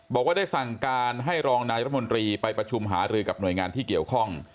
บอกว่าได้สั่งการให้รองนายรัฐมนตรีไปประชุมหารือกับหน่วยงานที่เกี่ยวข้อง